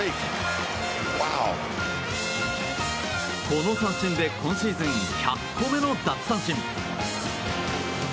この三振で今シーズン１００個目の奪三振。